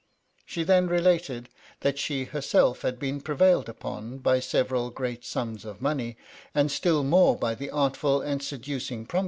She then related, that she her self had been prevailed upon, by several great sums of money, and still more by the artful and seducing prom.